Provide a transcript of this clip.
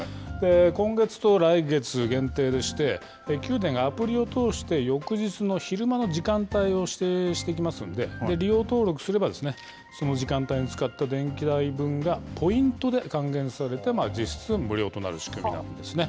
今月と来月限定でして、九電がアプリを通して翌日の昼間の時間帯を指定してきますんで、利用登録すればですね、その時間帯に使った電気代分がポイントで還元されて、実質無料となる仕組みなんですね。